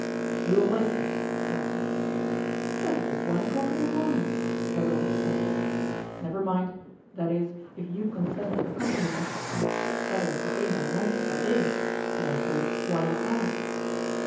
'We will wake him,' said Racksole. 'But it is one o'clock in the morning,' Babylon protested. 'Never mind that is, if you consent to accompany me. A cellar is the same by night as by day. Therefore, why not now?